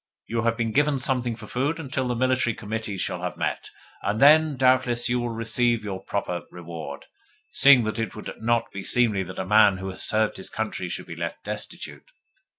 You have been given something for food until the Military Committee shall have met, and then, doubtless, you will receive your proper reward, seeing that it would not be seemly that a man who has served his country should be left destitute.